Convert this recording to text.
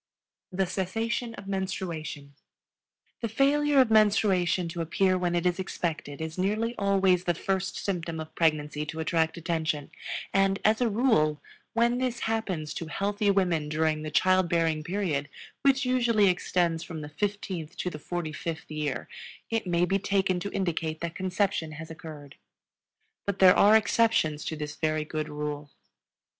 The Cessation of Menstruation. The failure of menstruation to appear when it is expected is nearly always the first symptom of pregnancy to attract attention, and, as a rule, when this happens to healthy women during the child bearing period which usually extends from the fifteenth to the forty fifth year it may be taken to indicate that conception has occurred. But there are exceptions to this very good rule.